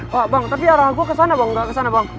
pak bang tapi arah gua kesana bang gak kesana bang